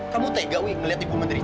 kamu tega wi ngeliat ibu menteri